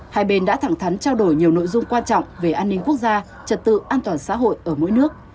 hai bên đã thẳng thắn trao đổi nhiều nội dung quan trọng về an ninh quốc gia trật tự an toàn xã hội ở mỗi nước